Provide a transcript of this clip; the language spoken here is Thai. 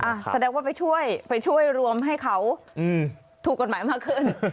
แสดงว่าไปช่วยไปช่วยรวมให้เขาอืมถูกกฎหมายมากขึ้น